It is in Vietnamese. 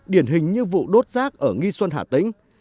điển hình như vụ đốt rác ở nghi xuân hà tĩnh